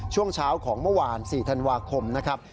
ช่วงเช้าของเมื่อวาน๔ธันวาคมนะครับ